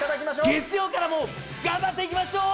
月曜からも頑張っていきましょう！